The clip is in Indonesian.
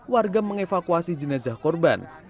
warga mengevakuasi jenazah korban